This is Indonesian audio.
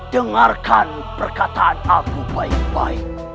dengarkan perkataan aku baik baik